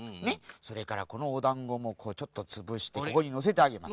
それからこのおだんごもちょっとつぶしてここにのせてあげます。